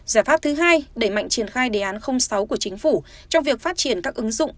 giải pháp thứ hai đẩy mạnh triển khai đề án sáu của chính phủ trong việc phát triển các ứng dụng